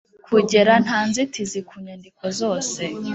kugera nta nzitizi ku nyandiko zose